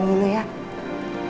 kamu juga tahu renaissance rt